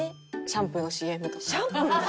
シャンプーのＣＭ！？